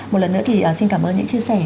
một lần nữa thì xin cảm ơn những chia sẻ